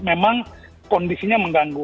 memang kondisinya mengganggu